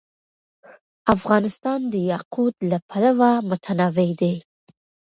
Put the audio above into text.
افغانستان د یاقوت له پلوه متنوع دی.